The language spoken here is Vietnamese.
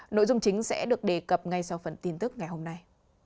nội dung chính sẽ được đề cập ngay sau phần tin tức ngày hôm nay